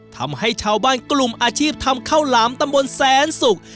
ทำให้ชาวบ้านกลุ่มอาชีพทำข้าวหลามตำบลแสนสุก